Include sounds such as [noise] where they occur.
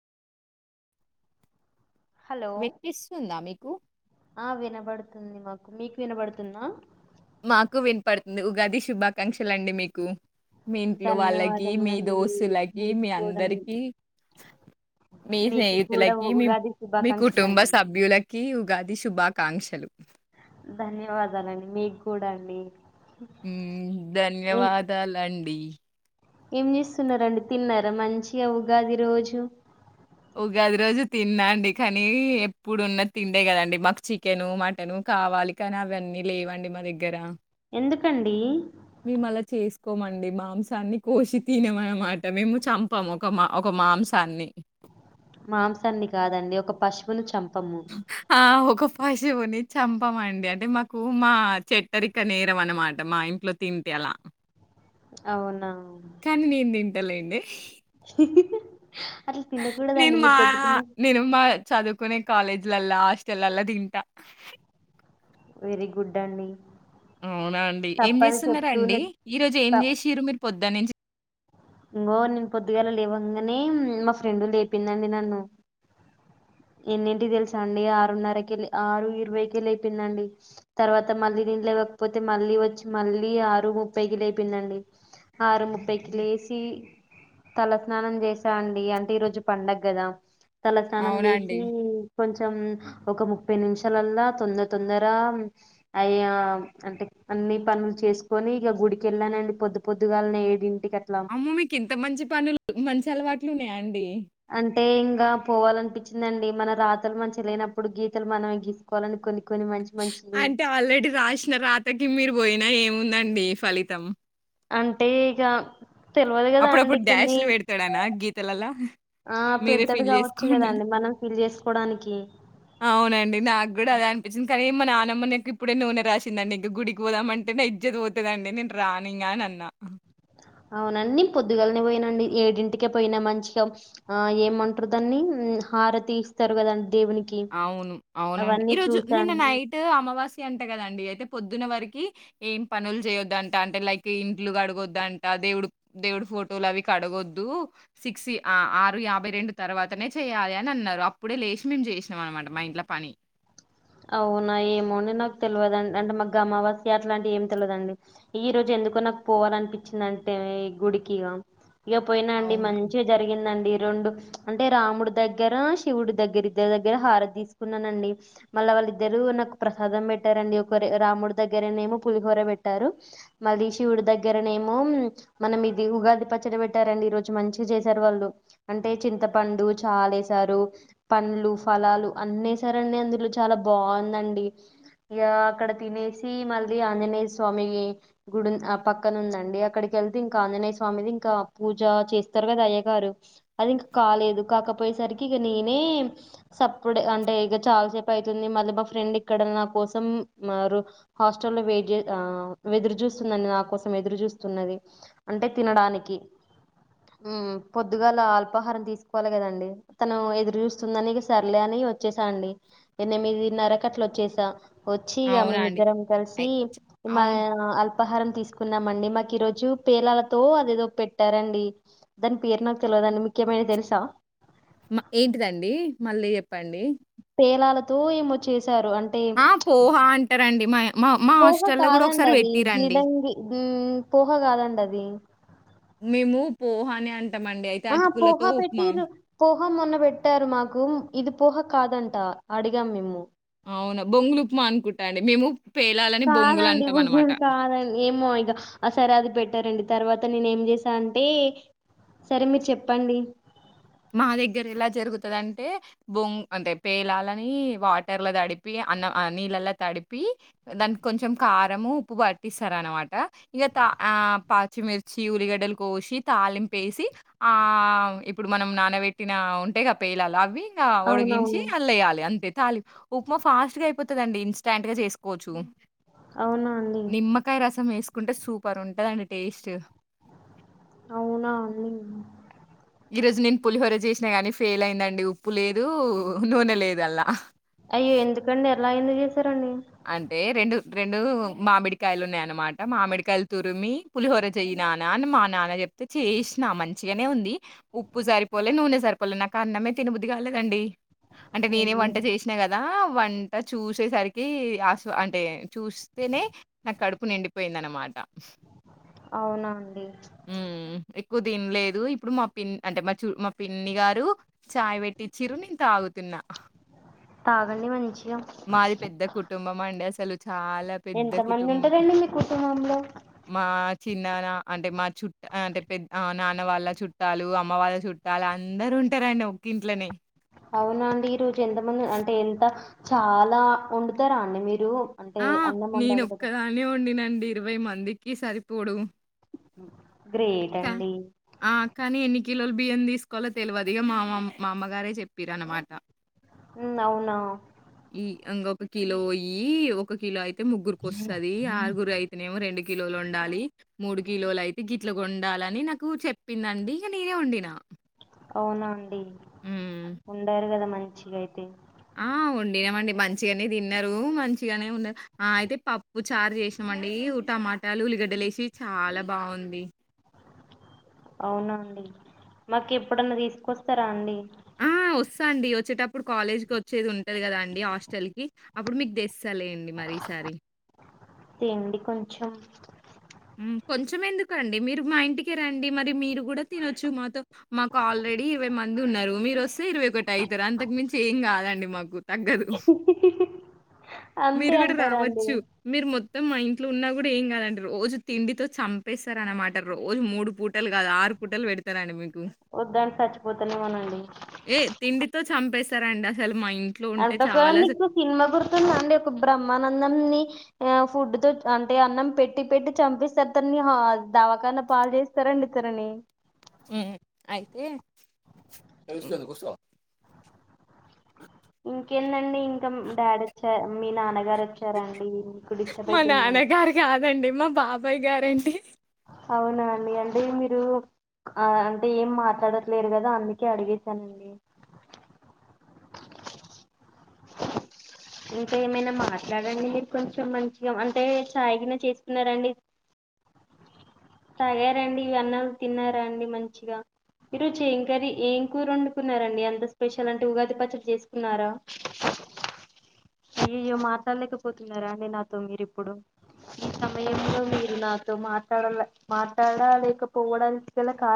Hello వెప్పిస్తుందా మీకు ఆ వినబడుతుంది మాకు మీకు వినబడుతుందా మాకు వినపడుతుంది ఉగాది శుభాకాంక్షలండి మీకు మీ ఇంట్లో వాళ్ళకి మీ ధన్యవాదములండి దోస్తులకి మీకు మీ కూడా అందరికి మీ మీకు కూడా స్నేహితులకి మీ ఉగాది మీ కుటుంబ శుభాకాంక్షలండి సభ్యులకి ఉగాది శుభా కాంక్షలు ధన్యవాదాలండి మీకు కూడా అండి ఏం ధన్యవాదాలండి ఏం చేస్తున్నారంండి తిన్నా మంచి అవుగాది రోజు ఉగాది రోజు తిన్నాండి కానీ ఎప్పుడున్న తిండే కదండి మాకు చికెను మటను కావాలి కానీ అవ అన్నీ లేవండి మా దగ్గర ఎందుకండి కోమండి మాంసాన్ని కోసి తినమ అనమాట మేము చంపాము ఒక మా ఒక మాంసాన్ని మాంసాన్ని కాదండి ఒక పశపువును చంప ఆ హ పశువుని చంపమండి అంటే మాకు మా చెట్టరిక నేరం అనమాట మా ఇంట్లో తింటే అలా అవునా కానీ నేను తింటలేండి హి హి నేను మా నేను మా చదువు కొనే కాలేజ్లలా హాస్టెల్ లల్ల తింటా వెరీ గుడ్ అండి అవునా అండి ఏం తప్పని చేస్తున్నారా అండి చెప్తూనే ఈ రోజు ఏం చేసిరు మీరు పొద్దట్నుంచి ఇంకోో నేను పొద్దుగాల లేవంగానే మా ఫ్రెండ్ లేపోందండి నన్ను ఎన్నింటి తెలుసా అండి ఆరున్నరకి ఆరు ఇరవైకి లేయిపోయిందండి తర్వాత మళ్ళీ నేను లేవకపోతే మళ్ళీ వచ్చి మళ్ళీ ఆరు ముప్పైకిి లేయిపోయిందండి ఆరు ముప్పైకిి లే తలస్నానం చేసానండి అంటే ఈ రోజు పండగ కదా తల స్నానం అవునా అండి? చేసి కొంచం కొెం ఒక ముప్పై నిమిషాలల్లా తొందర తొందర అయ అంటే అన్ని పనులు చేసుకొని ఇక గుడికెళ్ళానండి పొద్దు పొద్దుగాలని ఏడింటికి అట్లా అమ్మ మీకు ఇంత మంచి పనులు మంచి అలవాట్లు ఉన్నాయండి అంటే ఇంకా పోవాలనిపించి వచ్చిందండి మన రాతలు మనంచి లేనప్పుడు గీతలు మనమే గీసుకోవాలని కొన్ని కొన్ని మంచి మంచివి అంటే ఆల్రెడీ రాసిన రాతకి మీరు పోయినా ఏమి ఉందండి ఫలితం అంటే ఇక తెలవదు కదా అండి అప్పుడప్పుడు కొన్ని డ్యాష్లు పెడతాడానా గీతలలా ఆ మీరే పెడతాడు ఫీల్ కావచ్చు చేసుకోండిడి కదండి మనం ఫిల్ చేసుకోవడానికి అవునండి నాకు కూడా అద అనిపించి కానీ మా నానమ్మకు ఇప్పుడే నూనె రాసిందండి ఇంక గుడికి పోదామంటే నా ఇజ్జది పోతుందండి నేను రానింగా అని అన్నా అవునండి పొద్దుగాలనే పోయినండి ఏడింటికే పోయినా మంచిగా ఆ ఏమంటారు దాన్ని హారతీస్తారు కదండి దేవునికి అవును అవునండి అవన్నీ ఈరోజు నిన్న చూసాను నైట్ అమావాస్య అంటే కదండి అయితే పొద్దు ప వరకి ఏం పనులు చేయొద్దంట అంటే లైక్ ఇంట్లు కడగొద్ంట దేవుడు దేవుడు ఫోటోలు అవి కడగొద్దు సిక్స్ ఆరు యాభై రెండు తర్వాతనే చేయాలి అని అన్నారు అప్పుడే లేచి మేం చే మనమాట మా ఇంట్లో పని అవునా ఏమోని నాకు తెలియదండి అంటే మా అమావాస్య అట్లా అంటి ఏమి తెలియదండి ఈ రోజు ఎందుకో నాకు పోవాలనిపించింది అంటే ఈ గుడికిగా ఇక పోయినా అండి అవునా! మంచిగా జరిగిందండి ఈ రెండు అంటే రాముడి దగ్గర శివుడి దగ్గర ఇద్దరి దగ్గర హారతి తీసుకున్నానండి మళ్ళీ వాళ్ళిద్దరు నాకు ప్రసాదం పెట్టారంండి ఒకరే రాముడి దగ్గరనే ఏమో పులిహోర పెట్టారు మళ్ళీ శివుడి దగ్గరనే ఏమో మన ఇది ఉగాది పచ్చడి పెట్టారండి ఈరోజు మంచి చేసారు వాళ్ళు అంటే చింతపండు చారేసారు పండ్లు ఫలాలు అన్నేసారండి అందులో చాలా బాగుందండి ఇక అక్కడ తినేసి మళ్ళీ ఆంజనేయ స్వామి గుడి ఆ పక్కన ఉందండి అక్కడికి వెళ్తే ఇంకా ఆంజనేయ స్వామిది ఇంకా పూజ చేస్తారు కదా అయ్య గారు అది ఇంక కాలేదు కాకపోయేసరికి ఇక నేనే సప్పడ్ అంటే ఇక చాలా చె అతుంది మళ్ళీ మా ఫ్రెండ్ ఇక్కడ నా కోసం మ హాస్టల్ లో వెయిట్ ఎదురు చూస్తుందిండి నా కోసం ఎదురు చూస్తున్నది అంటే తినడానికి పొద్దుగాలా అల్పాహారం తీసుకోవాలి కదండి తను ఎదురు చూస్తుందని సర్లే అని వచ్చేసా అండి ఎనిమిదిన్నరకట్లు వచ్చేసాం వచ్చి ఇక అవునా అండి. మేమిద్దరం కలిసి అయి చ్ మా అవునా! అల్ ఉపహారం తీసుకున్నామండి మాకు ఈ రోజు పేలాలతో అదేదో పెట్టారంండి దాని పేరు నాకు తెలియదండి ముఖ్యమైన తెలుసా మ ఏంటిదండి మళ్ళీ చెప్ చెప్పండి ఒ ఏమో చ్చే ఆ పోహ అంటారంండి మా మా మా పోహా హాస్టల్‌లో గూడా కాదండి ఒకసారి అది పెట్టిర్రండి. దిడంగి పోహ కాదండ అది అని ఆన్ అంటామండి అయితే అటుకులతో ఉప్మా హ మొన్న పెట్టారు మాకు ఇది పహ కాదంట అడిగాం మేము అవునా బొంగులుప్మా అనుకుంటా అండి మేము పేలాలని కాదండి బొంగులంటామనమాట. బు్గులు కాదండి ఏమో ఇక ఆ సరే అది పెట్టి ంటారండి తర్వాత నేను ఏం చేసాను అంటే సరే మీరు చెప్పండి మా దగ్గర ఎలా జరుగుతుంది అంటే బొంగ అంటే పేలాలని వాటర్లో తడిపి అన్న నీళ్ళలో తడిపి దానికి కొంచెం కారంము ఉప్పు పట్టిస్తారు అనమాట ఇంక తా పాచ్చిమిర్చి ఉల్లిగడ్డలు కోసి తాలింప వేసి ఆ ఇప్పుడు మనం నానబెట్టిన ఉంటే క పేయిలాల అవి ఒడిగించి అవునవును అల్ వయ్యాలి అంతే తాలి ఉప్మా ఫాస్ట్ గా అయిపోతుందండి ఇన్స్టాంట్ గా చేసుకోవచ్చు అవునా అండి నిమ్కాయ రసం వేస్కు తీసుకుంటే సూపర్ ఉంటందండి టేస్ట్ అవునా అన్న ఈ రోజు నేను పులిహోర చేసినా గాని ఫెయిల్ అయిందండి ఉప్పు లేదు నూనె లేదు అల్లా అయ్యో ఎందుకండి ఎరలా అ తరణడి రెండు రెండు మామిడికాయలు ఉన్నాయనమాట మామిడికాయలు తురిమి పులిహోర చెయ్య నానా అని మా నాన్న చెప్తే చేసిన మంచిగానే ఉంది ఉప్పు సరిపోలే నూనె సరిపోలే నాకు అన్నమే తిినబుద్ధది కాలేదండి అంటే నేనే అయ్యో వంట చేసినా కద్ నా వంట చూసేసరి కి ఆస అంటే చూస్తేనే నా కడుపు నిండిపోయింది అన్నమాట అవునా అండి కు తిన్లేదు ఇప్పుడు మా పిన్ అంటే మా చూ మా పిన్ని గారు చాయ్ పెట్టిచ్చురు నేను తాగుతున్నా తాగండి మంచిగా మాది పెద్ద కుటుంబం అండి అస్సలు చాలా పెద్ద ఎంత మంది కుటుంబం ఉంటారండి మీ కుటుంబంలో మా చిన్నానా అంటే మా చుట్ట అంటే పెద్ద నాన్న వాళ్ళ చుట్టాలు అమ్మ వాళ్ళ చుట్టాలు అందరూ ఉంటారండి ఒకింట్లోనే అవునా అండి ఈరోజు ఎంత మంది అంటే ఎంత చాలా వండుతారా అండి మీరు అంటే ఆ అన్నం నేను వండాలి కదా ఒక్కదానే వండినండి ఇరవై మందికి సరిపోడు గ్రేట్ క అండి ఆ కానీ ఎన్ని కిలోల బియ్యం తీసుకోవాలో తెల్వదు ఇగ మామమ్ మా అమ్మగారే చెప్పిరు అన్నమాట ఉ అవునా ఒక కిలో ఈ ఒక కిలో అయి ఐతే ముగ్గురుకి వస్తది ఆరుగురు అయితేనేమో రెండు కిలోలు వండాలి మూడు కిలోలు అయి టికిట్లు వండాలని నాకు చెప్పిందండి ఇగ నేనే వండినా అవునా అండి హ్మ్. వండారు కదా మన్ చిగా అయితే ఆ వండినామండి మంచిగనే తిన్నారు. మంచిగనే ఉం అయితే పప్పు చారు చేసినమండి టమాటాలు ఉల్లిగడ్డలు ఏసి చాలా బాగుంది. అవునా అండి మాకు ఎప్పుడన్నా తీసుకొస్తారా అండి వస్తా అండి వచ్చేటప్పుడు కాలేజ్ వచ్చేది ఉంటది కదా అండి హస్టల్కి అప్పుడు మీకు తెస్ తేండి కొంచం కొంచమేందుకండి మీరు మా ఇంటికే రండి మరి మీరు గుడా తినొచ్చు మాతో మాకు ఆల్రెడీ ఇరవై మంది ఉన్నరు మీరు వస్తే ఇరవై ఒకటి అయితారు అంతకు మించి ఏం కాదండి మాకు తగ్గదు అంతే మీరు గుడా అంటారా అండి రావచ్చు మీరు మొ నువ్వు మా ఇంట్లో ఉన్నా గుడా ఏం కాదనరు రోజు తిండితో చంపేస్తరన్నమాట రోజు మూడు పూటలు కాదు ఆరు పూటలు పెడతారండి మీకు వద్దని చచ్చిపోతానేమోనండి రండి అసలు మా ఇంట్లో ఉంటే [inaudible] చాలా అసలు సినిమా గుర్తుందా అండి ఒక బ్రహ్మానందన్ని ఆ ఫుడ్ తో అంటే అన్నం పెట్టి పెట్టి చంపిస్తారు తనని దవాఖనా పాల్ చేస్తారండి అతరని హ్ అయితే [inaudible] ఇంకేందండి ఇం ఇంత డాడ్ మీ నానక్ గార్ వచ్చారా అండి మీకు డిస్టర్బ్ మా అయితుందా నాన్నగారు గాదండి. మా బాబాయ్ గారండి అవునా అండి అంటే మీరు ఆ అంటే ఏం మాట్లాడట్లేరు కదా అందుకే అడిగేశానండి ఇంకా ఏమైనా మాట్లాడండి కొంచం మంచిగా అంటే చాయ్ గిన చేసుకున్నారండి తాగారండి ఇగ అన్నం తిన్నారా అండి మంచిగా ఈరోజ్ ఏం కర్రీ ఏం కూర వండుకున్నారండి ఎంత స్పెషల్ అంటే ఉగాది పచ్చడి చేసుకున్నారా? అయ్యయ్యో మాట్లాడలేకపోతున్నారా అండి నాతో మీరు ఇప్పుడు ఈ సమయంలో మీరు నాతో మాట్లాడ మాట్లాడలేకపోవడానికి గల కార